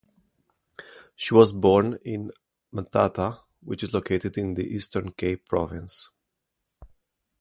She was born in Mthatha which is located in the Eastern Cape province.